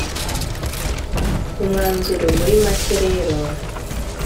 umwanzuro: muri make rero